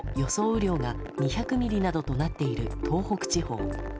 雨量が２００ミリなどとなっている東北地方。